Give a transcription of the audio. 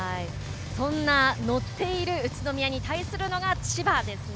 そんな乗っている宇都宮に対するのが千葉ですね。